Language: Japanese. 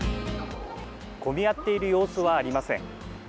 混み合っている様子はありま